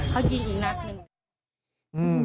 เขายิงอีกนัดหนึ่ง